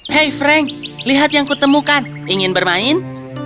hey frank lihat yang kutemukan ingin bermain